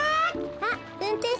あっうんてんしゅ